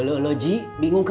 rat bart b organe